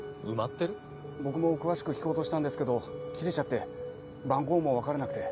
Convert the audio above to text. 僕も詳しく聞こうとしたんですけど切れちゃって番号も分からなくて。